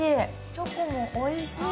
チョコもおいしい。